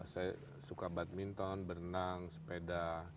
saya suka badminton berenang sepeda